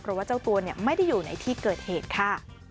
เพราะว่าเจ้าตัวไม่ได้อยู่ในที่เกิดเหตุค่ะ